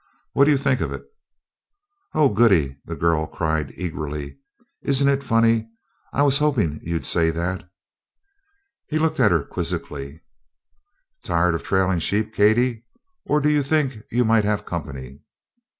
What do you think of it?" "Oh goody!" the girl cried eagerly. "Isn't it funny, I was hoping you'd say that." He looked at her quizzically. "Tired of trailing sheep, Katie, or do you think you might have company?"